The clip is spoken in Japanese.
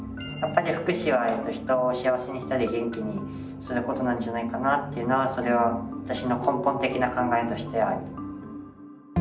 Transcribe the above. やっぱり福祉は人を幸せにしたり元気にすることなんじゃないかなっていうのはそれは私の根本的な考えとしてある。